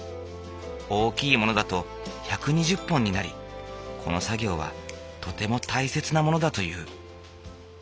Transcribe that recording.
大きいものだと１２０本になりこの作業はとても大切なものだという。